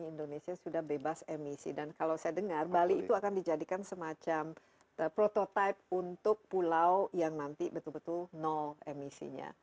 indonesia sudah bebas emisi dan kalau saya dengar bali itu akan dijadikan semacam prototipe untuk pulau yang nanti betul betul nol emisinya